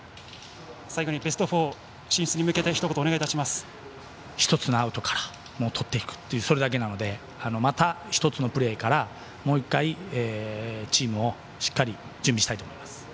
最後にベスト４進出に向けて１つのアウトからとっていくというそれだけなのでまた、１つのプレーからもう一回チームのプレーをしっかり準備したいと思います。